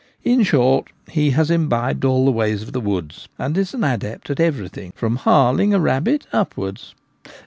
In short, he has imbibed all the ways of the woods, and is an adept at everything, from ' harling ' a rabbit upwards.